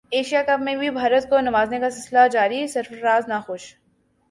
Asia cup میں بھی بھارت کو نوازنے کا سلسلہ جاری سرفراز ناخوش